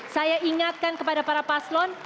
saya ingatkan kepada para paslon